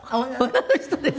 女の人です。